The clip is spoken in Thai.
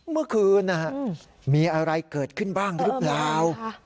เมื่อคืนมีอะไรเกิดขึ้นบ้างหรือเปล่า